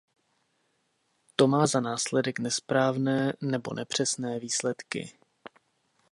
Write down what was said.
To má za následek nesprávné nebo nepřesné výsledky.